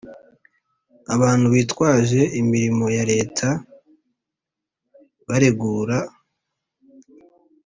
abantu bitwaje imirimo ya Leta baregura